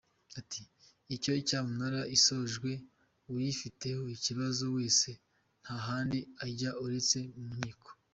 Ati “Iyo cyamunara isojwe uyifiteho ikibazo wese nta handi ajya uretse mu nkiko,….